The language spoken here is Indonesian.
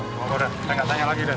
udah udah nggak tanya lagi dan